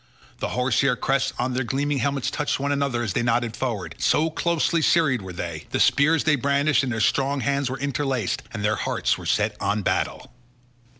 The horse hair crests on their gleaming helmets touched one another as they nodded forward, so closely serried were they; the spears they brandished in their strong hands were interlaced, and their hearts were set on battle.